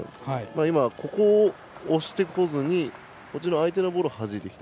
今、赤を押さずに相手ボールをはじいてきた。